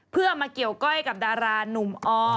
เพื่อมาเกี่ยวก้อยกับดารานุ่มอ